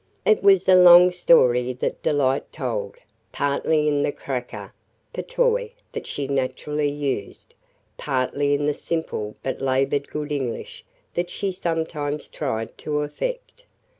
It was a long story that Delight told, partly in the "cracker" patois that she naturally used, partly in the simple but labored good English that she sometimes tried to affect.